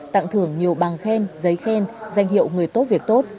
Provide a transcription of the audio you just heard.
tặng thưởng nhiều bằng khen giấy khen danh hiệu người tốt việc tốt